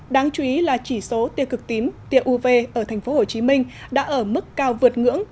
đáng chú ý là chỉ số tia cực tím tia uv ở thành phố hồ chí minh đã ở mức cao vượt ngưỡng